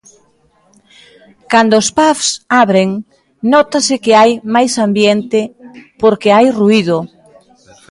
Cando os pubs abren, nótase que hai máis ambiente porque hai ruído.